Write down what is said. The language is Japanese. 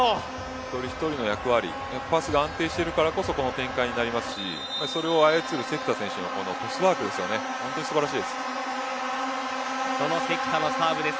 一人一人の役割パスが安定しているからこその展開になりますしそれを操る関田選手のトスワークはその関田のサーブです。